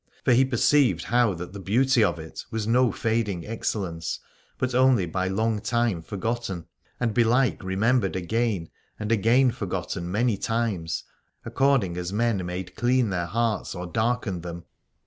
For he perceived how that the beauty of it was of no fading excellence, but only by long time for gotten : and belike remembered again and again forgotten many times, according as men made clean their hearts or darkened them.